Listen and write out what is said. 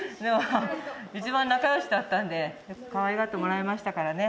一番仲よしだったんでかわいがってもらいましたからね。